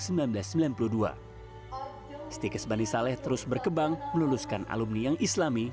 seti kes bani saleh terus berkebang meneluskan alumni yang islami